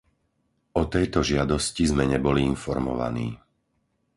O tejto žiadosti sme neboli informovaní.